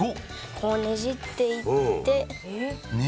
ねじっていって。